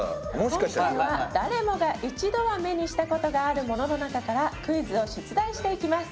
今回は誰もが一度は目にした事があるものの中からクイズを出題していきます。